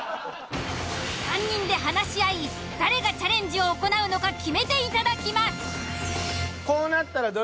３人で話し合い誰がチャレンジを行うのか決めていただきます。